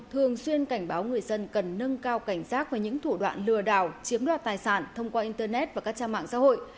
thường xuyên cảnh báo người dân cần nâng cao cảnh giác với những thủ đoạn lừa đảo chiếm đoạt tài sản thông qua internet và các trang mạng xã hội